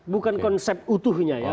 bukan konsep utuhnya ya